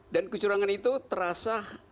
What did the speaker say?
dan kecurangan itu terasa